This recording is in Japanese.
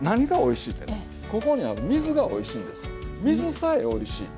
水さえおいしい。